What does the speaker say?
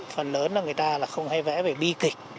phần lớn là người ta là không hay vẽ về bi kịch